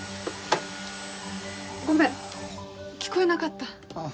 ごめん聞こえなかったああ